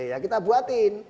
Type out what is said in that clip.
ya kita buatin